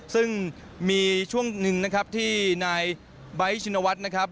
ซึ่งมีช่วงหนึ่งนะครับที่นายไบท์ชินวัฒน์นะครับ